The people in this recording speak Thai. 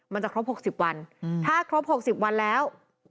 มันจะครบหกสิบวันถ้าครบหกสิบวันแล้ว